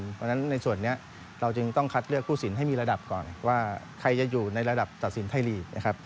เพราะฉะนั้นในส่วนนี้เราจึงต้องคัดเลือกผู้สินให้มีระดับก่อนว่าใครจะอยู่ในระดับตัดสินไทยลีกนะครับ